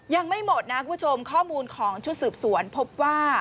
ยังไม่หมดนะคุณผู้ชมข้อมูลของชุดสืบสวนพบว่า